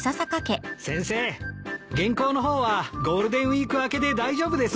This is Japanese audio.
先生原稿の方はゴールデンウィーク明けで大丈夫ですので。